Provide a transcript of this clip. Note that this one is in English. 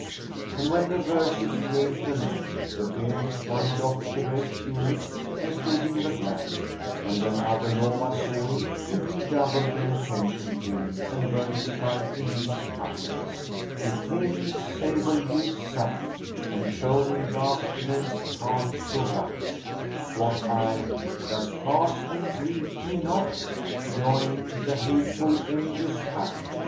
'" And when the verses came to an end, the beardless one doffed the red tunic and stood in the black; and, when Abu Nowas saw him, he redoubled in attention to him and versified in these couplets, "He came in sable huиd sacque * And shone in dark men's heart to rack: Quoth I, 'Doss pass and greet me not? * Joying the hateful envious pack?